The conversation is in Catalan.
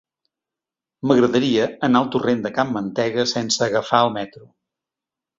M'agradaria anar al torrent de Can Mantega sense agafar el metro.